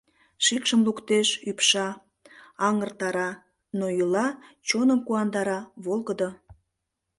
Шикшым луктеш, ӱпша, аҥыртара, но йӱла, чоным куандара, волгыдо.